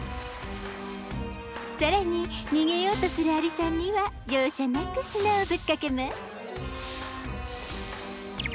更に逃げようとするアリさんには容赦なく砂をぶっかけます。